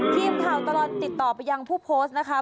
ทีมข่าวตลอดติดต่อไปยังผู้โพสต์นะคะ